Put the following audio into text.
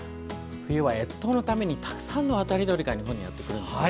冬は、越冬のためにたくさんの渡り鳥が日本にやってくるんですよね。